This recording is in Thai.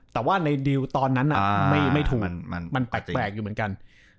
แต่ว่าในดิวตอนนั้นไม่ถูกมันแปลกอยู่เหมือนกัน